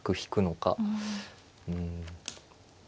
うん。